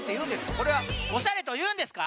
これはおしゃれというんですか！？